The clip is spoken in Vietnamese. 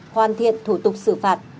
hoàn thiện thủ tục xử phạt